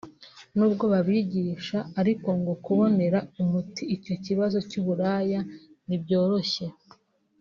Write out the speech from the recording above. n’ubwo babigisha ariko ngo kubonera umuti icyo kibazo cy’uburaya ntibyoroshye